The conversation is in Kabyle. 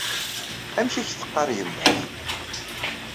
Amek ay ak-teɣɣar yemma-k?